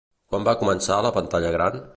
Quan va començar a la pantalla gran?